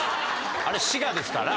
あれ滋賀ですから。